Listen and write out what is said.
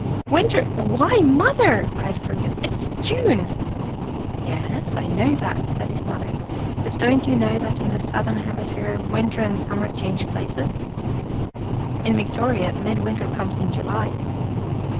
"Winter, why, Mother!" cried Fergus. "This is June!" " Yes, I know that," said his mother. " But don't you know that in the Southern Hemi sphere, winter and summer change places? In Victoria, midwinter comes in July."